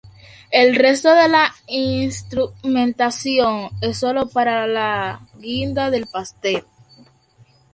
El resto de la instrumentación es sólo la guinda del pastel.